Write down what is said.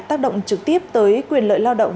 tác động trực tiếp tới quyền lợi lao động